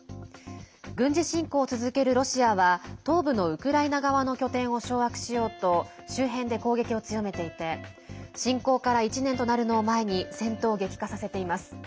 軍事侵攻を続けるロシアは東部のウクライナ側の拠点を掌握しようと周辺で攻撃を強めていて侵攻から１年となるのを前に戦闘を激化させています。